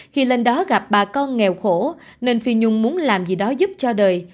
khi lên đó gặp bà con nghèo khổ nên phi nhung muốn làm gì đó giúp cho đời